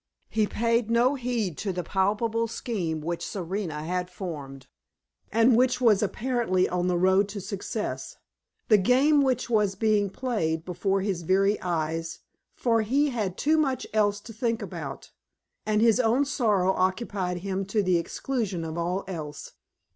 He paid no heed to the palpable scheme which Serena had formed, and which was apparently on the road to success the game which was being played before his very eyes for he had too much else to think about, and his own sorrow occupied him to the exclusion of all else.